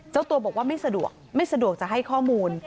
เจ้าตัวบอกว่าไม่สะดวกไม่สะดวกจะให้ข้อมูล